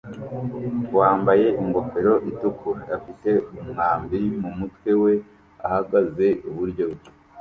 wambaye ingofero itukura afite umwambi mumutwe we ahagaze iburyo bwe